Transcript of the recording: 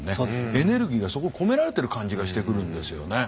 エネルギーがそこ込められてる感じがしてくるんですよね。